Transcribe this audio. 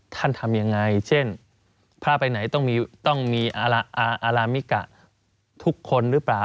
ทำยังไงเช่นพระไปไหนต้องมีอารามิกะทุกคนหรือเปล่า